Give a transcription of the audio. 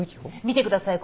見てください